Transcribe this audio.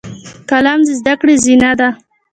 قلم د زده کړې زینه ده